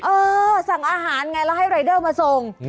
เออสั่งอาหารไงแล้วให้รายเดอร์มาส่ง